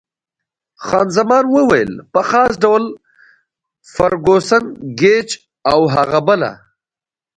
خان زمان وویل: په خاص ډول فرګوسن، ګېج او هغه بله.